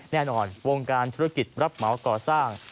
แน่นอนวงการธุรกิจรับเหมาก่อสร้าง